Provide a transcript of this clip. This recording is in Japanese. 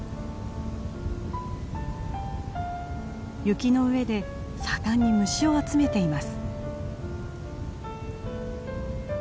雪の上で盛んに虫を集めています。